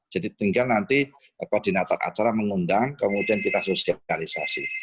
jadi tinggal nanti koordinator acara mengundang kemudian kita sosialisasi